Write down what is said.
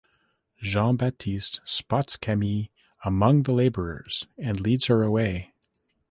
Jean-Baptiste spots Camille among the laborers and leads her away.